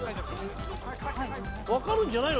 わかるんじゃないの？